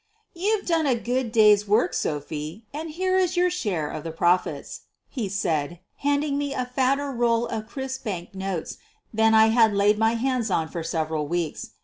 "We've done a good day's work, Sophie, and here is your share of the profits," he said, handing me a fatter roll of crisp bank notes than I had laid my hands on for several weeks.